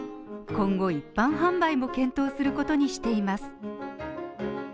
今後、一般販売も検討することにしています。